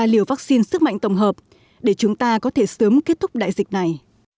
sẽ tạo ra liều vaccine sức mạnh tổng hợp để chúng ta có thể sớm kết thúc đại dịch này